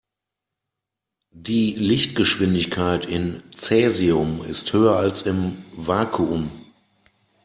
Die Lichtgeschwindigkeit in Cäsium ist höher als im Vakuum.